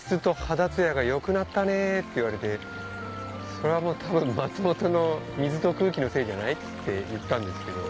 それはもう多分松本の水と空気のせいじゃない？って言ったんですけど。